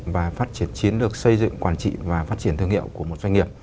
và phát triển chiến lược xây dựng quản trị và phát triển thương hiệu của một doanh nghiệp